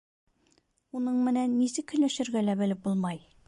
Уның менән нисек һөйләшергә лә белеп булмай.